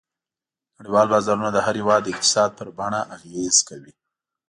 نړیوال بازارونه د هر هېواد د اقتصاد پر بڼه اغېزه کوي.